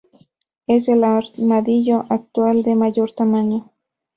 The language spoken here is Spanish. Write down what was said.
Es el armadillo actual de mayor tamaño.